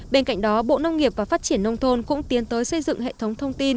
bên cạnh đó bộ nông nghiệp và phát triển nông thôn cũng tiến tới xây dựng hệ thống thông tin